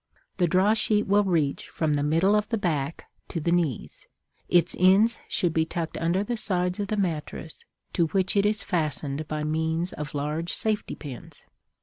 The draw sheet will reach from the middle of the back to the knees; its ends should be tucked under the sides of the mattress, to which it is fastened by means of large safety pins.